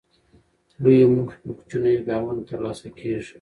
لویې موخې په کوچنیو ګامونو ترلاسه کېږي.